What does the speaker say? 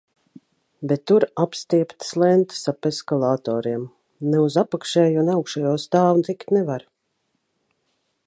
Bet tur apstieptas lentes ap eskalatoriem. Ne uz apakšējo, ne augšējo stāvu tikt nevar.